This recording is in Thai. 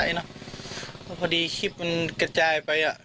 เพราะพอดีคลิปมันกระจายไป